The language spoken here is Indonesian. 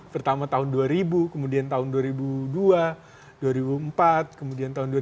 pertama tahun dua ribu kemudian tahun dua ribu dua dua ribu empat kemudian tahun dua ribu sepuluh dua ribu enam belas